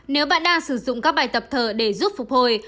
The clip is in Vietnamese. nếu bạn đang sử dụng các bài tập thở để giúp phục hồi